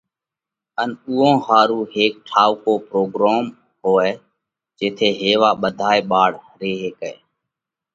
ان اُوئون ۿارُو هيڪ ٺائُوڪو پروڳروم هوئہ جيٿئہ هيوا ٻڌائي ٻاۯ ري هيڪئہ۔